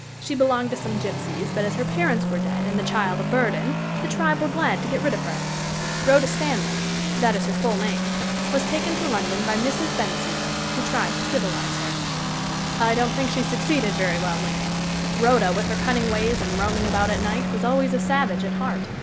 She belonged to some gypsies, but as her parents were dead, and the child a burden, the tribe were glad to get rid of her. Rhoda Stanley that is her full name was taken to London by Mrs. Bensusan, who tried to civilise her." "I don't think she succeeded very well, Link. Rhoda, with her cunning ways and roaming about at night, was always a savage at heart.